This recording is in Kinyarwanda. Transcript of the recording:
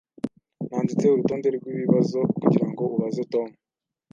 Nanditse urutonde rwibibazo kugirango ubaze Tom.